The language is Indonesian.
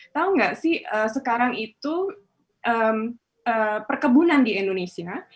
tahu nggak sih sekarang itu perkebunan di indonesia